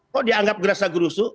kok dianggap gerasa gerusu